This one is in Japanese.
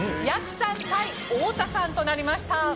やくさん対太田さんとなりました。